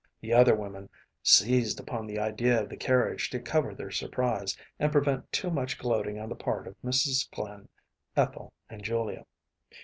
The other women seized upon the idea of the carriage to cover their surprise and prevent too much gloating on the part of Mrs. Glynn, Ethel, and Julia.